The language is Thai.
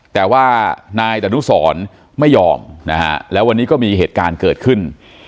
แต่ว่านายดนุสรไม่ยอมนะฮะแล้ววันนี้ก็มีเหตุการณ์เกิดขึ้น